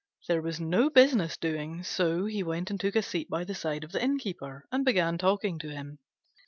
There was no business doing, so he went and took a seat by the side of the Innkeeper, and began talking to him.